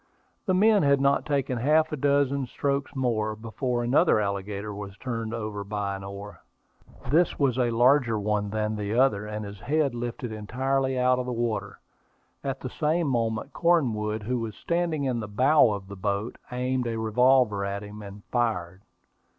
The men had not taken half a dozen strokes more, before another alligator was turned over by an oar. This was a larger one than the other, and his head was lifted entirely out of the water. At the same moment Cornwood, who was standing in the bow of the boat, aimed a revolver at him, and fired.